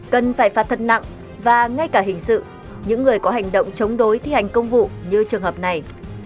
cần phải phạt thật nặng và ngay cả hình sự những người có hành động chống đối thi hành công vụ như trường hợp này